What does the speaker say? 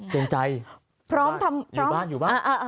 จนใจอยู่บ้านอยู่บ้าน